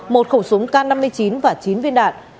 một khẩu súng k năm mươi chín và chín viên đạn